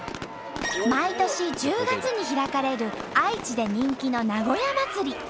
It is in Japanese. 毎年１０月に開かれる愛知で人気の名古屋まつり。